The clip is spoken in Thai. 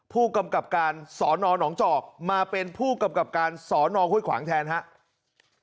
ผู้กำกับการสอนอนหนองจอกมาเป็นผู้กำกับการสอนอห้วยขวางแทนครับ